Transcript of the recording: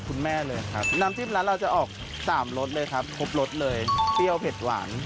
ครับครบรสเลยเปรี้ยวเผ็ดหวาน